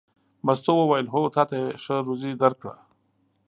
مستو وویل: هو تا ته یې ښه روزي درکړه.